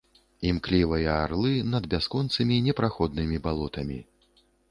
Імклівыя арлы над бясконцымі непраходнымі балотамі.